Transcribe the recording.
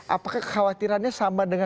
apakah kekhawatirannya sama dengan